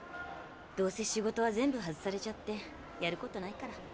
どうせ仕事は全部外されちゃってやることないから。